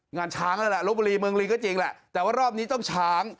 งานช้างนั่นแหละลบบุรีเมืองลิงก็จริงแหละแต่ว่ารอบนี้ต้องช้าง